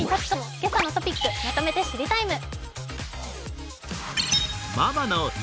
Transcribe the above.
「けさのトピックまとめて知りＴＩＭＥ，」。